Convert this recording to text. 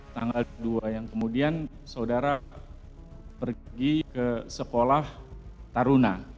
tanggal dua yang kemudian saudara pergi ke sekolah taruna